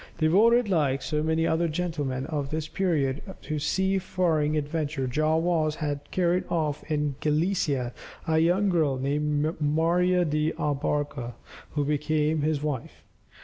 Devoted like so many other gentlemen of this period to sea faring adventure, Joao Vaz had carried off in Gallicia a young girl named Maria de Abarca, who became his wife.